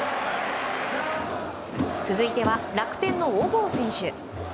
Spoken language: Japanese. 続いては楽天の小郷選手。